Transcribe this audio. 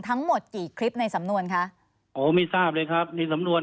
ทั้งหมดกี่คลิปในสำนวนคะโอ้ไม่ทราบเลยครับมีสำนวน